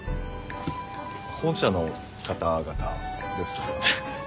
本社の方々ですよね？